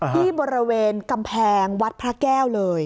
ที่บริเวณกำแพงวัดพระแก้วเลย